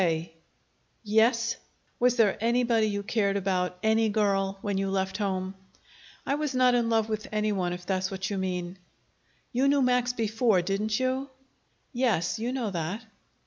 "K." "Yes?" "Was there anybody you cared about, any girl, when you left home?" "I was not in love with anyone, if that's what you mean." "You knew Max before, didn't you?" "Yes. You know that."